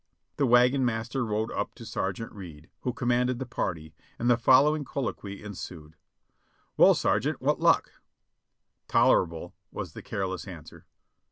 The wagon master rode up to Sergeant Reid. who commanded the party, and the following colloquy ensued: "Well, Sergeant, what luck?" "Tolerable," was the careless answer.